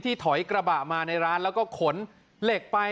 ถอยกระบะมาในร้านแล้วก็ขนเหล็กไป